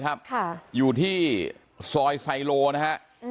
ครับอยู่ที่ซอยไซโลนะ